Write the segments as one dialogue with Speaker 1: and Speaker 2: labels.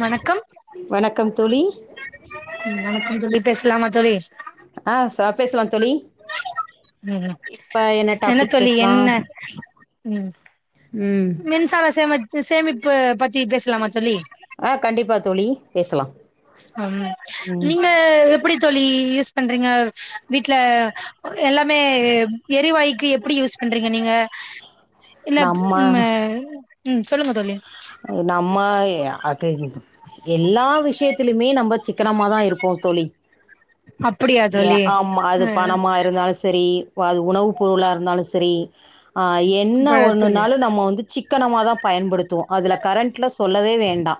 Speaker 1: வணக்கம்
Speaker 2: வணக்கம் தோழி
Speaker 1: பேசலமா தோழி
Speaker 2: ஆ சா பேசலா தோழி
Speaker 1: ம்
Speaker 2: இப்ப
Speaker 1: என்ன
Speaker 2: டாபிக்
Speaker 1: தோழி
Speaker 2: பேசலாம்
Speaker 1: என்ன ம்
Speaker 2: ம்
Speaker 1: மின்சார சேமித்து சேமிப்பு பத்தி பேசலாமா தோழி
Speaker 2: ஆ கண்டிப்பா தோழி பேசலா
Speaker 1: ஆமா நீங்க எப்டி தோழி யூஸ் பண்றீங்க வீட்ல எல்லாமே எரிவாய்கு எப்டி யூஸ் பண்றீங்க நீங்க அ என்னாச்சு
Speaker 2: நம்ம
Speaker 1: உம்ம ம் சொல்லுங்க தோழி
Speaker 2: நம்ம ஏ ஆ கேக்குது எல்லா விஷ்யத்திலைமே நம்ப சிக்கனமா தா இருப்போ தோழி
Speaker 1: அப்டியா
Speaker 2: ஏ
Speaker 1: தோழி
Speaker 2: ஆமா அது
Speaker 1: ஆ
Speaker 2: பணமா இருந்தாலு செரி வ அது உணவுப் பொருளா இருந்தாலு செரி ஆ என்ன
Speaker 1: பழ
Speaker 2: ஒன்னு
Speaker 1: தோழி
Speaker 2: நாளு நம்ம வந்து சிக்கனமா தா பயன்படுத்துவோ இதுல கரண்ட்ல சொல்லவே வேண்டா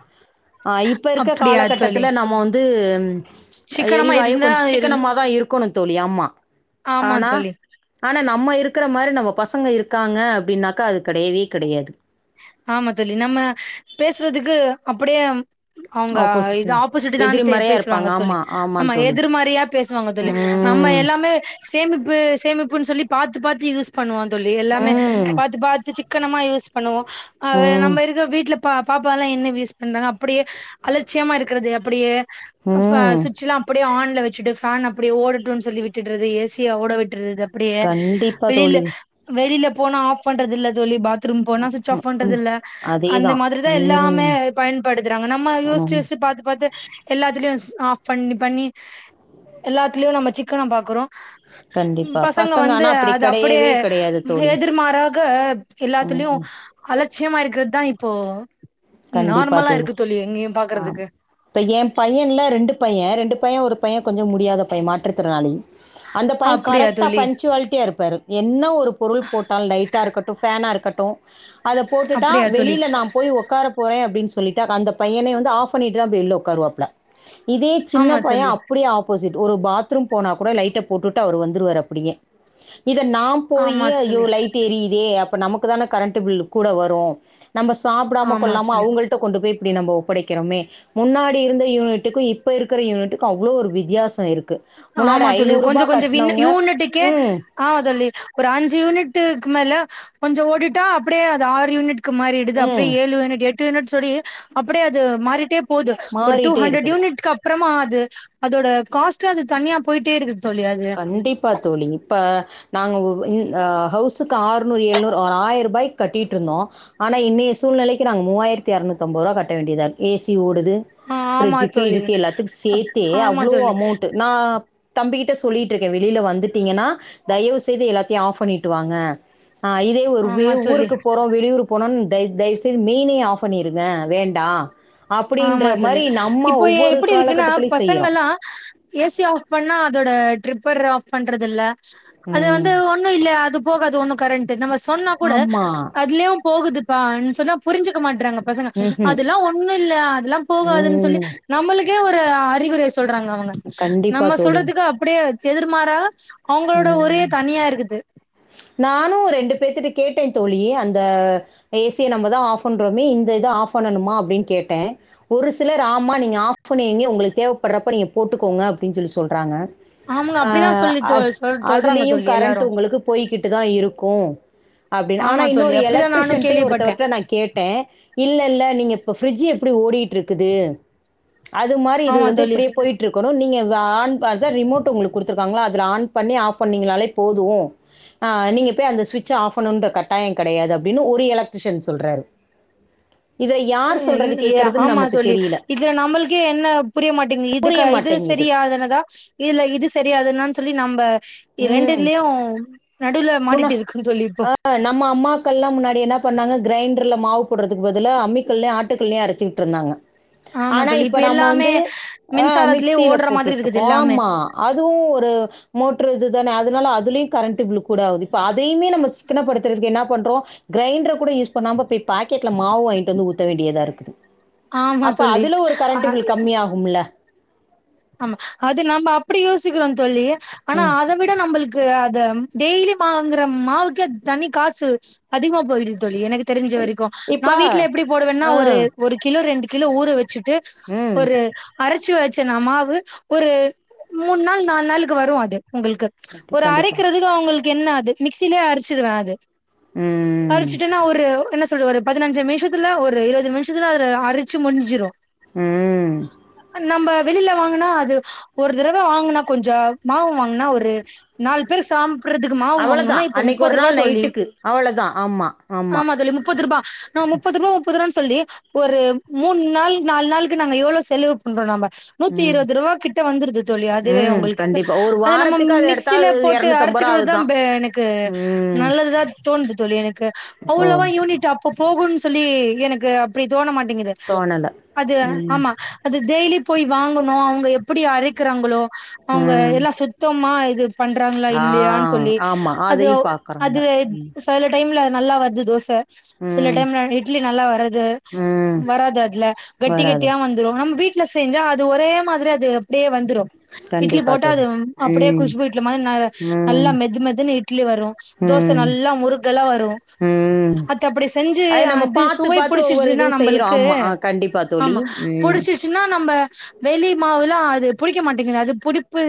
Speaker 2: ஆ இப்பருக்க
Speaker 1: அப்டியா தோழி
Speaker 2: காலகட்டத்துல நம்ம வந்து ம் அ
Speaker 1: சிக்கனமா
Speaker 2: எரிவாய
Speaker 1: இருந்தா
Speaker 2: கொஞ்ச
Speaker 1: இருந்
Speaker 2: சிக்கனமா தா இருக்கணு தோழி ஆமா
Speaker 1: ஆமா
Speaker 2: ஆனா
Speaker 1: தோழி
Speaker 2: ஆனா நம்ம இருக்குற மாரி நம்ம பசங்க இருக்காங்க அப்டின்னாக்கா அது கெடையவே கெடையாது
Speaker 1: ஆமா தோழி நம்ம பேசுறதுக்கு அப்படியே அவ்ங்க இது
Speaker 2: ஆப்போசிட்டு.
Speaker 1: ஆப்போசிட்டு தான் பே
Speaker 2: எதிர்மறையா
Speaker 1: பேசுவாங்க
Speaker 2: இருப்பாங்க.
Speaker 1: தோழி
Speaker 2: ஆமா,
Speaker 1: ஆமா
Speaker 2: தோழி.
Speaker 1: எதிர்மறையா பேசுவாங்க தோழி நம்ம
Speaker 2: ம். ம்.
Speaker 1: எல்லாமே சேமிப்பு சேமிப்புன் சொல்லி பாத்து பாத்து யூஸ் பண்ணுவோந் தோழி எல்லாமே
Speaker 2: நல்லது.
Speaker 1: பாத்து பாத்து சிக்கனமா யூஸ் பண்ணுவோ அது
Speaker 2: ம்.
Speaker 1: நம்ம இருக்க வீட்ல பா பாப்பாலா என்ன யூஸ் பண்றாங்க அப்டியே அலட்சியமா இருக்கிறது அப்டியே அஃப
Speaker 2: ம். ம்.
Speaker 1: சுவிட்சுலா அப்டியே ஆன்ல வச்சுட்டு ஃபேன் அப்டியே ஓடட்டுன் சொல்லி விட்டுட்றது ஏசிய ஓட விட் ட்றது அப்டியே
Speaker 2: கண்டிப்பா
Speaker 1: வெளில
Speaker 2: தோழி.
Speaker 1: வெளில போனா ஆஃப் பண்றது இல்ல தோழி பாத்ரூம் போனா சுவிச் ஆஃப்
Speaker 2: ம்.
Speaker 1: பண்றதில்ல அந்த
Speaker 2: அதேதான்.
Speaker 1: மாதிரிதா எல்லாமே
Speaker 2: ம்.
Speaker 1: பயன்படுத்துறாங்க நம்ம யோஸ்ச்சு
Speaker 2: ம்.
Speaker 1: யோஸ்ச்சு பாத்து பாத்து அ எல்லாத்துலயுஸ் ஆஃப் பண்ணி பண்ணி எல்லாத்துலயு நம்ம சிக்கன பாக்குறோ ம்
Speaker 2: கண்டிப்பா.
Speaker 1: பசங்க வந்து
Speaker 2: ஆனா அப்படி
Speaker 1: அது அப்படியே
Speaker 2: கெடையவே கெடையாது தோழி.
Speaker 1: எதிர்மாறா ங்க எல்லாத்துலயு அலச்சியமா இருக்கிறத்தா இப்போ
Speaker 2: கண்டிப்பா
Speaker 1: நார்மலா
Speaker 2: தோழி
Speaker 1: இருக்கு எங்கயு
Speaker 2: அ
Speaker 1: பாக்குறதுக்கு
Speaker 2: இப்ப என் பையன்ல ரெண்டு பையன் ரெண்டு பையன் ஒரு பையன் கொஞ்சம் முடியாத பையன் மாற்றுத்திறனாளி அந்த பையன்
Speaker 1: அப்படியா
Speaker 2: கரெக்டா
Speaker 1: தோழி
Speaker 2: பஞ்சுவாலிட்டியா இருப்பாரு என்ன ஒரு பொருள் போட்டாலும் லைட்டா இருக்கட்டும் பேன்அ இருக்கட்டும் அதை போட்டுட்டா
Speaker 1: அப்படியா தோழி
Speaker 2: வெளியில நான் போய் உட்கார போறேன் அப்படின்னு சொல்லிட்டு அந்த பையனே வந்து ஆப் பண்ணிட்டு தா போய் உள்ள உட்காருவாப்புல இதே
Speaker 1: ஆமா தோழி
Speaker 2: சின்னப்பையன் அப்படியே ஆப்போசிட் ஒரு பாத்ரூம் போனா கூட லைட்ட போட்டுட்டு அவர் வந்துருவாரு அப்படியே இதை நாம் போய்
Speaker 1: ஆமா
Speaker 2: ஐயோ
Speaker 1: தோழி
Speaker 2: லைட் எரியுதே அப்ப நமக்கு தானே கரண்ட் பில்லு கூட வரும் நம்ம சாப்பிடாம
Speaker 1: ஆமா
Speaker 2: கொள்ளாம
Speaker 1: தோழி
Speaker 2: அவங்கள்ட கொண்டு போய் நம்ம ஒப்படைக்கிறோமே முன்னாடி இருந்த யூனிட்டுக்கு இப்ப இருக்கிற யூனிட்டுக்கு அவ்ளோ ஒரு வித்தியாச இருக்
Speaker 1: ஆமா தோழி கொஞ்சம் கொஞ்சம் வின்னு யூனிட்டுக்கே
Speaker 2: ம்,
Speaker 1: ஆமா தோழி ஒரு அஞ்சு யூனிட்டுக்கு மேல கொஞ்சம் ஓட்டிட்டா அப்படியே அது ஆறு யூனிட்க்கு மாறிடுது அப்படியே
Speaker 2: ம்.
Speaker 1: ஏழு யூனிட் எட்டு ட்டு யூனிட் சொல்லி அப்படியே அது மாறிட்டே போது ஒரு டூ
Speaker 2: மாறிட்டே
Speaker 1: ஹண்ட்ரட்
Speaker 2: இருக்குது.
Speaker 1: யூனிட்டுக்கு அப் அப்புறமா அது அதோட காஸ்ட்டு சார்ஜ் தண்ணியா போயிட்டே இருக்குது தோழி அது
Speaker 2: கண்டிப்பா தோழி இப்ப நாங்க ஒரு அ ஹவுஸ்க்கு ஆறுநூறு எழுநூறு அ ஒரு ஆயிரம் ரூபாய்க்கு கட்டிகிட்டு இருந்தோம் ஆனால் இன்னைய சூழ் சூழ்நிலைக்கு நாங்க மூவாயியிரத்தி அறுநூத்தி ஐம்பது ரூபா கட்ட வேண்டியாதா இருக்கு ஏசிஓடுது ந்து
Speaker 1: ஆ ஆமா
Speaker 2: பிரிட்ஜூக்கு
Speaker 1: தோழி
Speaker 2: இதுக்கு எல்லாத்துக்கும்
Speaker 1: அப்
Speaker 2: சேர்த்தே
Speaker 1: ஆமா
Speaker 2: அவ்வளோ
Speaker 1: தோழி
Speaker 2: அமௌண்ட் நான் தம்பிக்கிட்ட சொல்லிட்டு இருக்கேன் வெளியே வந்துட்டீங்கன்னா தயவு செய்து எல்லாத்தையு ஆப் பண்ணிட்டு வாங்க அ இதே ஒரு
Speaker 1: ஆமா
Speaker 2: வேவு
Speaker 1: தோழி
Speaker 2: ஊருக்குப்போறோ வெளியூருக்கு போனான்னு தயவுசெய்து மெயினையு ஆப் பண்ணிருங்க வேண்டா
Speaker 1: ஆமா தோழி இப்போ எப்படி இருக்குன்னா
Speaker 2: காலகட்டத்திலயும் செய்றோம்.
Speaker 1: பசங்கல்லாம் ஏசி ஆப் பண்ணா அதோட ட்ரிப்பர் ஆப் பண்றது இல்லை அது
Speaker 2: ம்.
Speaker 1: வந்து ஒன்னும் இல்லை அது போகாது ஒன்னும் கரண்ட் நம்ம சொன்னா கூட
Speaker 2: ஆமா.
Speaker 1: அதுலயும் போகுதுப்பா சொன்னப்புரிஞ்சுக்க மாட்டறாங்க பசங்க
Speaker 2: ம்ஹூம்
Speaker 1: அதெல்லா ஒன்னு இல்லா அதெல்லா போகாதுன்னு சொல்லி
Speaker 2: ம்
Speaker 1: நம்மளுக்கே ஒரு அறிகுரை சொல்றாங்க அவுங்க
Speaker 2: கண்டிப்பா
Speaker 1: நம்ம
Speaker 2: தோழி.
Speaker 1: சொல்றதுக்கு அப்படியே எதிர்மாறா அவுங்களோட ஒரே
Speaker 2: ம்
Speaker 1: தனியா இருக்குது
Speaker 2: ரெண்டு பேத்தட்டுக் கேட்டேன் தோழி அந்த ஏசிய நம்ம தான் ஆப் பண்றோமே இந்த இதை ஆப் பண்ணணுமா அப்படின்னு கேட்டேன் ஒரு சிலர் ஆமா நீங்க ஆப் பண்ணி வைங்க உங்களுக்கு தேவைப்படுறப்ப நீங்க போட்டுக்கோங்க அப்படின்னு சொலி சொல்றாங்க
Speaker 1: அவங்க அப்படிதான் சொல்லி தோ
Speaker 2: அ
Speaker 1: சொல் சொல்றாங்க
Speaker 2: அதுலயும்
Speaker 1: தோழி
Speaker 2: கரண்ட்டு
Speaker 1: எல்லாரும்
Speaker 2: உங்களுக்கு போய் போயிட்டு தான் இருக்கும் அப்படின்னு ஆனா
Speaker 1: ஆமா தோழி
Speaker 2: இன்னொரு
Speaker 1: அப்படிதான் நானும்
Speaker 2: எலக்ட்சன்
Speaker 1: கேள்விப்பட்டேன்
Speaker 2: ஒருத்தவர்டா நான் கேட்டே இல்லை இல்லை நீங்கள் இப்போ ப்ரிட்ஜ் எப்படி ஓடிட்டு இருக்குது அது மாதிரி இது
Speaker 1: ஆமா
Speaker 2: வந்து
Speaker 1: தோழி
Speaker 2: இப்படியே போயிட்டு இருக்கணும் நீங்க ஆன் பாஸ் ரிமோட் உங்களுக்கு கொடுத்துருக்காங்களா அதுல ஆன் பண்ணி ஆப் பண்ணீங்கனாலே போதும் அ நீங்க போய் அந்த சுவிட்ச்ச ஆப் பண்ணணுன்ற கட்டாயம் கிடையாது அப்படின்னு ஒரு எலக்ட்ரிஷியன் சொல்றாரு இதில யார் சொல்றது
Speaker 1: எ
Speaker 2: கேட்கறதுன்னு
Speaker 1: ஆமா
Speaker 2: நமக்கு
Speaker 1: தோழி
Speaker 2: தெரியல.
Speaker 1: இதுல நம்மளுக்கே என்ன புரிய மாட்டேங்கு இதுக்கு
Speaker 2: புரிய
Speaker 1: இது
Speaker 2: மாட்டேங்குது.
Speaker 1: சரியா அதுலாதா இதுல இது சரியாதுனா சொல்லி நம்ம ரெண்டு இதுலயும்
Speaker 2: முன்ன நம்ம அம்மாக்கள்ல்லாம் முன்னாடி என்ன பண்ணாங்க கிரைண்ட கிடல மாவு போடுறதுக்கு பதிலா அம்மிக்கல்லையு ஆட்டுக்கல்லையு அரைச்சுட்டு இருந்தாங்க
Speaker 1: ஆமா
Speaker 2: ஆனா
Speaker 1: தோழி
Speaker 2: இப்ப நம்ம
Speaker 1: எல்லாமே
Speaker 2: வந்து அ
Speaker 1: மின்சாரத்திலயே
Speaker 2: மிக்சியில
Speaker 1: ஓடுற மாதிரி
Speaker 2: போட்டுட்டு இருக்கோ
Speaker 1: இருக்குது எல்லாமே
Speaker 2: ஆமா அதுவு ஒரு மோட்டர் இது தானே அதனால அதுலயும் கரண்ட்ழுக்கும் கூடது இப்ப அதையமே நம்ம சிக்கனப்படுத்துறக்கு என்ன பண்றோம் கிரைண்டர் கூட யூஸ் பண்ணாம இப்ப பாக்கெட்ல் மாவு வாங்கிட்டு வந்து ஊத வேண்டியத இருக்குது
Speaker 1: ஆமா
Speaker 2: அப்ப
Speaker 1: தோழி
Speaker 2: அதுல ஒரு
Speaker 1: ஆ
Speaker 2: கரண்ட் பில் கம்மி ஆகும்ல
Speaker 1: ஆமா அது நம்ம அப்படி யோசிக்கிறோம் தோழி ஆனா
Speaker 2: ம்.
Speaker 1: அத விட நம்மளுக்கு அத டெய்லி வாங்கற மாவுக்கு தணி காசு அதிகமா போயிடு தோழி எனக்கு தெரிஞ்ச வரைக்கும்
Speaker 2: இப்ப
Speaker 1: நான் வீட்டுல எப்படி போடுவேன்னா
Speaker 2: ஆ.
Speaker 1: ஒரு கிலோ ரெண்டு கிலோ ஊற வச்சுட்டு
Speaker 2: ம்.
Speaker 1: ஒரு அரைச்சி வச்சன மாவு ஒரு மூணு நாள் நாலு நாளுக்கு வரும் அது உங்களுக்கு
Speaker 2: கண்டி
Speaker 1: ஒரு
Speaker 2: கண்டிப்பா.
Speaker 1: அரைக்கிறதுக்கு அவங்களுக்கு என்ன அது மிக்சிலயே அரைச்சிருவேன் அது
Speaker 2: ம்.
Speaker 1: அறச்சுட்டேன்னா ஒரு என்ன சொல்ல ஒரு பதினஞ்சு நிமிஷத்துல ஒரு இருபது நிமிஷத்துல அது அரிச்சு முஞ்சிடும்
Speaker 2: ம்
Speaker 1: நம்ம வெளியில வாங்க னா அது ஒரு தடவை வாங்கனா கொஞ்ச மாவு வாங்கனா ஒரு நாலு பேர் சா ப்பறதுக்கு மாவு வாங்கணும்னா
Speaker 2: அவ்வளவுதான்
Speaker 1: இப்ப
Speaker 2: அன்னைக்கு
Speaker 1: முப்பது
Speaker 2: ஒரு
Speaker 1: ரூபா
Speaker 2: நாள்
Speaker 1: தோழி
Speaker 2: நைட்டுக்கு அவ்வளவுதான் ஆமா
Speaker 1: ஆமா தோழி முப்பது ரூபா நான் முப்பது ரூபா முப்பது ரூபா சொல்லி ஒரு மூணு நாள் நாலு நாளுக்கு நாங்க எவ்வளவு செலவு பண்றோம் நம்ம நூத்தி
Speaker 2: ம்
Speaker 1: இருபது ரூபா கிட்ட வந்துருது தோழி அதுவே
Speaker 2: ம்
Speaker 1: உங்களுக்கு
Speaker 2: கண்டிப்பா ஒரு
Speaker 1: அதை நம்ம
Speaker 2: வாரத்துக்கு அது எடுத்தா
Speaker 1: மிக்சில
Speaker 2: அது
Speaker 1: போட்டு
Speaker 2: ரூபா
Speaker 1: அரைச்சுகி தான்
Speaker 2: ஆகுதான்
Speaker 1: எனக்கு
Speaker 2: ம்
Speaker 1: நல்லது தான் தோணுது தோழி எனக்கு
Speaker 2: ஓ
Speaker 1: அவ்வளவா யூனிட் அப் அப்ப போகும்ன்னு சொல்லி எனக்கு அப்படி தோண மாட்டேங்குது
Speaker 2: தோணல
Speaker 1: அது
Speaker 2: ம்
Speaker 1: ஆமா அது டெய்லி போய் வாங்கணு அவங்க எப்படி அரைக்கிறாங்களோ அவங்க
Speaker 2: ம்
Speaker 1: எல்லாம் சுத்தமா இது பண்றாங்களா
Speaker 2: ஆ
Speaker 1: இல்லையான்னு சொல்லி
Speaker 2: ஆமா
Speaker 1: அது
Speaker 2: அதையும் பாக்குறாங்க
Speaker 1: அதுல
Speaker 2: ம்
Speaker 1: சில டைம்ல நல்லா வருது தோசை சில
Speaker 2: ம்
Speaker 1: டைம்ல இட்லி நல்லா வருது
Speaker 2: ம்
Speaker 1: வராது அதுல கட்டி
Speaker 2: வராது
Speaker 1: கட்டியா வந்துரு நம்ம வீட்ல செஞ்சா அது ஒரே மாதிரி அது அப்படியே வந்துரு இட்லி
Speaker 2: கண்டிப்பா
Speaker 1: போட்டா அது
Speaker 2: தோழி
Speaker 1: அப்படியே
Speaker 2: ம்
Speaker 1: குஷ்பு இட்லி மாதிரி ந
Speaker 2: ம்
Speaker 1: நல்லா மெது மெதுன்னு இட்லி வரு தோசை
Speaker 2: ம்
Speaker 1: நல்லா முறுக்கலா வரு
Speaker 2: ம்
Speaker 1: அ அப்படி செஞ்சு
Speaker 2: நம்ம
Speaker 1: அது
Speaker 2: பார்த்து
Speaker 1: சுவை
Speaker 2: பார்த்து ஒவ்வொரு
Speaker 1: புடிச்சிச்சுன்னா
Speaker 2: இதுவும்
Speaker 1: நம்ம
Speaker 2: செய்யறோம்
Speaker 1: ளுக்கு
Speaker 2: ஆமா ஆ, கண்டிப்பா தோழி
Speaker 1: ஆமா
Speaker 2: ம்
Speaker 1: புடிச்சிச்சுன்னா நம்ம வெளி மாவுல்லா அது புடிக்க மாட்டேங்குது அது புடிப்பு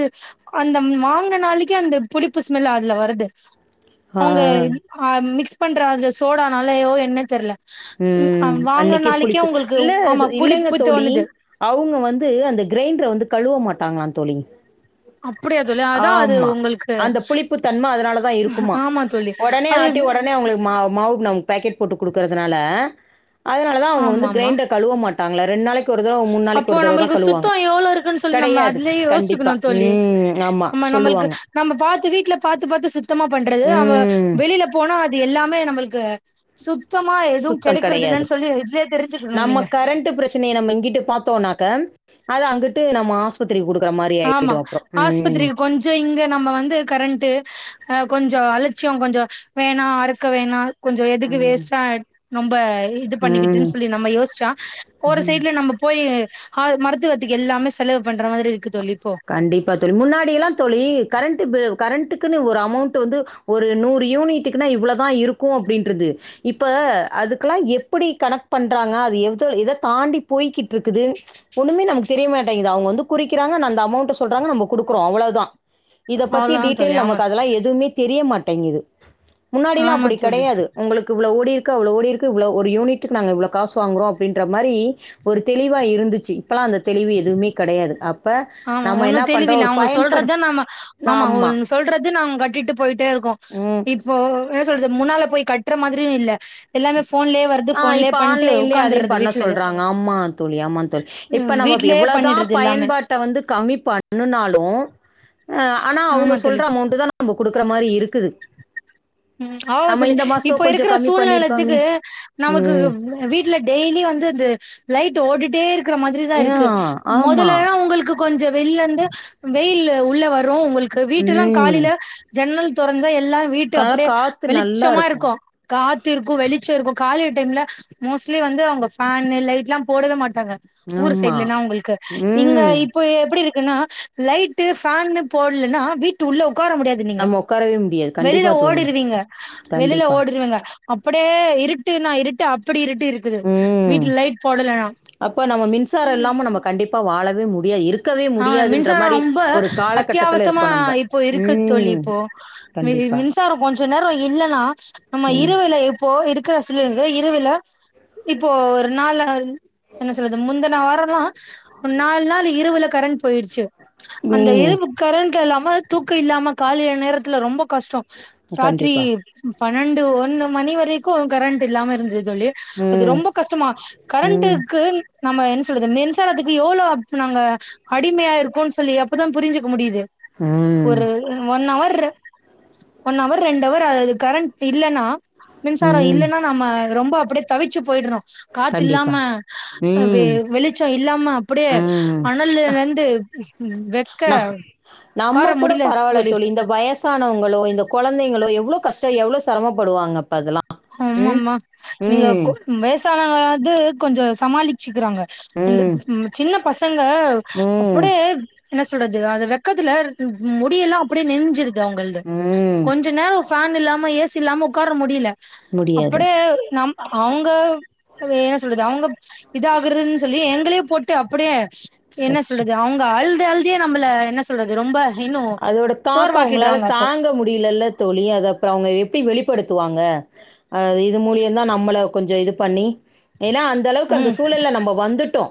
Speaker 1: அந்த வாங்கின நாளைக்கே அந்த புளிப்பு இல் அதுல வருது அவங்க
Speaker 2: ஆ
Speaker 1: மிக்ஸ் பண்ற அந்த சோடானாலோ என்ன தெரில
Speaker 2: ம் அன்னைக்கே புளிப்பு
Speaker 1: உங்களுக்கு
Speaker 2: இல்ல
Speaker 1: ஆமா
Speaker 2: இல்லைங்க
Speaker 1: புளிப்பு
Speaker 2: தோழி
Speaker 1: தோணுது
Speaker 2: அவங்க வந்து அந்த கிரைண்டரை வந்து கழுவ மாட்டாங்களா தோழி
Speaker 1: அப்படியா தோழி அதா அது
Speaker 2: ஆமா
Speaker 1: உங்களுக்கு
Speaker 2: அந்த புளிப்பு தன்மை அதனாலதான் இருக்குமா
Speaker 1: ஆமா தோழி
Speaker 2: உடனே
Speaker 1: அது
Speaker 2: ஆட்டி உடனே அவங்களுக்கு மாவு மாவு நம் பேக்கெட் போட்டு கொடுக்கறதுனால அதனால தான் அவங்க வந்து
Speaker 1: ஆமாமா
Speaker 2: கிரைண்டரை கழுுவ மாட்டாங்கள ரெண்ட் நாளைக்
Speaker 1: அப்போ நம்மளுக்கு சுத்தம் எவ்வளவு இருக்குன்னு சொல்லி நம்ம
Speaker 2: கிடையாது.
Speaker 1: அதுலயே
Speaker 2: கண்டிப்பா.
Speaker 1: யோசிச்சுிக்கணு தோழி
Speaker 2: ம். ஆமா.
Speaker 1: நம் நம்மளுக்கு
Speaker 2: சொல்லுவாங்க.
Speaker 1: நம்ம பாத்து வீட்ல பாத்துபாத்து சுத்தமா பண்றது அவ
Speaker 2: ம்.
Speaker 1: வெளியில போனா அது எல்லாமே நம்மளுக்கு சு
Speaker 2: சுத்தம் கடையாது
Speaker 1: தெரிஞ்சுக்கணு
Speaker 2: நம்ம
Speaker 1: நீங்க
Speaker 2: கரண்ட் பிரச்சனையை நம்ம இங்கிட் பாத்தோம்னாக்க அது அங்கிட்டு நம்ம ஆஸ்பத்திரிக்கு கொடுக்
Speaker 1: ஆமா ஆஸ்பத்திரிக்கு கொஞ்ச இங்க நம்ம வந்து கரண்ட்டு அ கொஞ்ச அலட்சியம் கொஞ்ச வேணா அறுக்க வேணாம் கொஞ்ச எதுக்கு வேஸ்ட்டா ரொம்ப இது
Speaker 2: ம்
Speaker 1: பண்ணிக்கிட்டுன்னு சொல்லி நம்ம யோசிச்சா போற சைட்ல நம்ம போய் ஆ மருத்துவத்துக்கு எல்லாமே செலவு பண்ற மாதிரி இருக்கு தோழி இப்போ
Speaker 2: கண்டிப்பா தோழி முன்னாடிய எல்லா தோழி கரண்ட் கரண்ட்டக்குன்னு ஒரு அமௌண்ட் வந்து ஒரு நூறு யூனிட்டுக்கு இவ்வளவுதான் இருக்கு அப்படின்றது இப்ப அதுக்கெல்லா எப்படி கனெக்ட் பண்றாங்க அது எதை தாண்டி போய்கிட்டு இருக்குது ஒண்ணுமே நமக்கு தெரிய மாட்டேங்கது அவங்க வந்து குறிக்கிறாங்க நந் அமௌண்ட் சொல்றாங்க நம்ம கொடுக்குறோ அவ்வளவுதா இதை பத்தி
Speaker 1: அவ்ளோதா தோழி
Speaker 2: டீட்டெயில்
Speaker 1: ஆமா
Speaker 2: நமக்கு அதல்லா எதுவுமே தெரிய மாட்டேங்ககுது முன்னாடியெல்லா
Speaker 1: ஆமா
Speaker 2: அப்படி
Speaker 1: தோழி
Speaker 2: கடையாது உங்களுக்கு இவ்ளோ ஓடிருக்கு அவ்லோ ஓடிருக்கு இ்வளோ ஒரு யூனிட்டுக்கு நாங்கள் இவ்லோ காசு வாங்குறோ அப்படின்ற மாதிரி ஒரு தெளிவா இருந்துச்சு இப்பல்லா அந்த தெளிவு எதுமே கெடையாது அப்ப
Speaker 1: ஒன்னு தெளிவில அவங்க சொல்றதா நாம ஆமா ஒன்
Speaker 2: ஆமாம்
Speaker 1: சொல்றது நாங் கட்டிட்டு போயிட்டே இருக்கோ
Speaker 2: ம்
Speaker 1: இப்போ என்ன சொல்றது முன்னால போய் கட்டுற மாதிரியு இல்ல எல்லாமே ஃபோன்லயே வருது
Speaker 2: ஆ
Speaker 1: ஃபோன்லயே
Speaker 2: இப்ப
Speaker 1: பண்ட்டு
Speaker 2: ஆன்லைன்லயே அதையு
Speaker 1: உக்காந்துறது
Speaker 2: பண்ண
Speaker 1: வீட்லது
Speaker 2: சொல்றாங்க ஆமா தோழி ஆமா தோழி எப்
Speaker 1: ம்
Speaker 2: ப்ப நம்ம
Speaker 1: வீட்லயே
Speaker 2: எவ்வளதா
Speaker 1: பண்ணிடுறது எல்லாமே
Speaker 2: பயன்பாட் ட வந்து கம்மி பண்ணுனாலு ஆனா அவங்க
Speaker 1: ஆமா தோழி
Speaker 2: சொல்ற அமௌண்ட் தா நம் குடுக் கற மாரி இருக்குது
Speaker 1: ம் ஆ
Speaker 2: நம்ம
Speaker 1: இதுல
Speaker 2: இந்த
Speaker 1: இப்ப
Speaker 2: மாதம்
Speaker 1: இருக்கிற
Speaker 2: கொஞ்சம் கம்மி
Speaker 1: சூழ்நெல
Speaker 2: பண்ணியிருக்கோமே
Speaker 1: துக்கு நமக்கு
Speaker 2: ம்
Speaker 1: வ வீட்ல டெய்லி வந்து இந்த லைட் ஓடிட்டே இரு க்கிற மாதிரிதா
Speaker 2: ஆ
Speaker 1: இருக்கு
Speaker 2: ஆமாம்
Speaker 1: மொதலல்லா உங்களுக்கு கொஞ்சோ வெள்ளந்து வெயில் உள்ள வ ரு உங்களுக்கு வீட்டுல்லா
Speaker 2: ம்.
Speaker 1: காலில ஜன்னல் தொறஞ்சா எல்லா வீட்டு
Speaker 2: கா
Speaker 1: அப் ப
Speaker 2: காத்து நல்லா
Speaker 1: வெளிச்சமா
Speaker 2: இருக்கும்.
Speaker 1: இருக்கு காத்து இருக்கு வெளி ச்சோ இருக்கு காலை டைம்ல மோஸ்ட்லி வந்து அவங்க ஃபேனு லைட்லா போடவே மாட் டாங்க ஊர்
Speaker 2: ஆமா.
Speaker 1: சைடலனா உங்களுக்கு இங்க
Speaker 2: ம்.
Speaker 1: இப்போ எப்டி இரு க்குனா லைட்டு ஃபேனு போடலன்னா வீட்டு உள்ள உக் கார முடியாது நீங்க
Speaker 2: நம்ம உட்காரவே முடியாது.
Speaker 1: வெளியில
Speaker 2: கண்டிப்பா
Speaker 1: ஓ
Speaker 2: தோழி.
Speaker 1: டிருவீங்க வெளியில
Speaker 2: கண்டிப்பா.
Speaker 1: ஓடுருவீங்க அப்படே இருட்டுனா இருட்டு அப் பிடி இருட்டு இருக்குது
Speaker 2: ம்.
Speaker 1: வீட்ல லைட் போடலனா
Speaker 2: பா வாழவே முடியா இருக்
Speaker 1: ஆ மின்சாரோ ரொம்ப
Speaker 2: காலகட்டத்துல
Speaker 1: அத்தியாவசமா
Speaker 2: இருக்கோம் நம்ப.
Speaker 1: இப்போ இருக்கு தோழி
Speaker 2: ம்.
Speaker 1: இப்போ மி
Speaker 2: கண்டிப்பா.
Speaker 1: மின்சாரோ கொஞ்ச நேர இல்லன்னா நம்ம
Speaker 2: ம்.
Speaker 1: இரவில எப்போ இரு க்க சொல்லிருது இரவுல இப்போ ஒரு நாலு என்ன சொல்றது முந்துன வாரோ லா நாலு நாள் இரவுல கரண்ட் போயிடுச்சு அந்த
Speaker 2: ம்.
Speaker 1: இரவு கரண்ட் எல்லாம் ம தூக்க இல்லாம காலையில நேரத்துல ரொம்ப கஸ்டோ ராத்திரி
Speaker 2: கண்டிப்பா.
Speaker 1: பன்னெண்டு ஒன்னு மணி வரைக்கு கரண்ட் இல்லாம இருந்தது தோழி அது
Speaker 2: ம்.
Speaker 1: ரொம்ப கஷ்டமா
Speaker 2: ம்.
Speaker 1: கரண்ட்டுக்கு நம்ம என்ஸ் சொல்றது மின்சாரத்துக்கு எவ்ளோ அப் நாங்க அடிமையா இருக்கோனு சொல்லி அப்பதா புரிஞ்சுக்க முடியுது
Speaker 2: ம்.
Speaker 1: ஒரு ஒன் அவர் ஒன் அவர் ரெண்டு அவர் அது கரண்ட் இல்லன்னா மின்சார
Speaker 2: ம்.
Speaker 1: இல்லன்னா நம்ம ரொம்ப அப்டியே தவிச்சு போயி்ட்றோ காத்து இல்லாம
Speaker 2: கண்டிப்பா.
Speaker 1: அ வெ
Speaker 2: ம்.
Speaker 1: வெளிச்சோ இல்லாம அப்படியே அ
Speaker 2: ம்.
Speaker 1: னழிழந்து வெக்க
Speaker 2: நா நம்ம
Speaker 1: உக்கார
Speaker 2: கூட
Speaker 1: முடியல
Speaker 2: பரவால தோழி இந்த வயசானவங்களோ இந்த கொழந்தைங்களோ எவ்வளோ கஷ்டோ எவ்வளோ செரமப்படுவாங்க அப்ப அதெல்லா ம்
Speaker 1: ஆமாமா நீங்க
Speaker 2: ம்
Speaker 1: கோ வேசானங்களாவது கொஞ்சோ சமாளிச்சு க்றாங்க இந்த ம் சின்ன பசங்க
Speaker 2: ம்
Speaker 1: அப்படியே என்ன சொல்றது அது வெக்கத்துல முடியெல்லா அப்படியே நெஞ்சிருது அவங்களது
Speaker 2: ம்
Speaker 1: கொஞ்ச நேரோ ஃபேன் இல்லாம ஏசி இல்லாம உக்கார முடில
Speaker 2: முடியாது
Speaker 1: அப்படே நம் அவங்க என்ன சொல்றது அவங்க இதாகறதுன் சொல்லி எங்களே போட்டு அப்படியே என்ன
Speaker 2: கஷ்ட
Speaker 1: சொல்றது அவங்க அழுது அழுதியே நம்மள என்ன சொல்றது ரொம்ப இன்னு
Speaker 2: அதோட தாக்க அவங்களால
Speaker 1: சோர்வாக்கிடுறாங்க அப்போ
Speaker 2: தாங்க முடியலல்ல தோழி அது அப்பற அவங்க எப்டி வெளி ப்படுத்துவாங்க அ இது மூலியுந்தா நம்மள கொஞ்சோ இது பண்ணி ஏன்னா அந்த அளவுக்கு அந்த
Speaker 1: ம்
Speaker 2: சூழல நம்ம வந்துட்டோ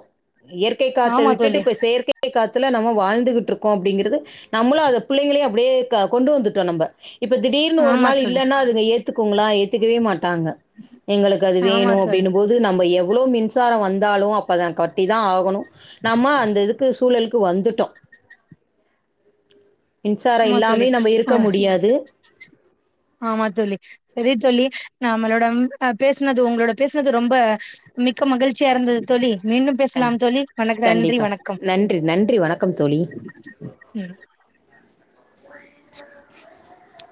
Speaker 2: இயற்கை காத்த
Speaker 1: ஆமா
Speaker 2: விட்டுட்டு
Speaker 1: தோழி
Speaker 2: இப்ப செயற்கை காத் த்துல நம்ம வாழ்ந்துகிட்ருக்கோ அப்டிங்கிறது நம்மளு அத பிள்ளைங்களையு அப்டியே க கொண்டு வந்துட்டோ நம்ப இப்ப திடீர்னு ஒரு
Speaker 1: ஆமா
Speaker 2: நாள்
Speaker 1: தோழி
Speaker 2: இல்லன்னா அதுங்க ஏத்துக்கோங்களா ஏ த்துக்கவே மாட்டாங்க எங்களுக்கு அது
Speaker 1: ஆமா
Speaker 2: வேணு
Speaker 1: தோழி
Speaker 2: அப்டின்னும்போது நம்ம எவ் வளோ மின்சாரோ வந்தாலு அப்ப தா கட்டி தா ஆகணு நம்ம அந்த இதுக்கு சூழலுக் கு வந்துட்டோ
Speaker 1: ஆமா தோழி
Speaker 2: இருக்க
Speaker 1: ஆஸ்
Speaker 2: முடியாது
Speaker 1: ஆமா தோழி சரி தோழி நமளோட ஆ பேசுனது உங்களோட பேசுனது ரொம்ப மிக்க மகிழ்ச்சியா இருந்துது தோழி மீண்டும்
Speaker 2: கண்டி
Speaker 1: பேசலாம் தோழி வணக்க நன்றி
Speaker 2: கண்டிப்பா
Speaker 1: வணக்கம்
Speaker 2: நன்றி நன்றி வணக்கம் தோழி
Speaker 1: ம்